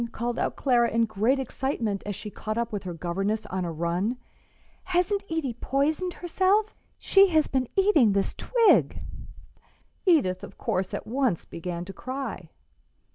called out Clara, in great excitement, as she caught up with her governess on a run; "hasn't Edie poisoned herself? She has been eating this twig." Edith, of course, at once began to cry.